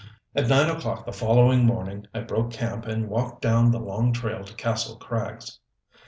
At nine o'clock the following morning I broke camp and walked down the long trail to Kastle Krags.